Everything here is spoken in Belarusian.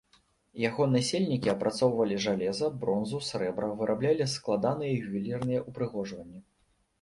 Яго насельнікі апрацоўвалі жалеза, бронзу, срэбра, выраблялі складаныя ювелірныя ўпрыгожванні.